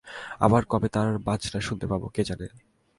আবার কবে তার বাজনা শুনতে পাব, কে জানে।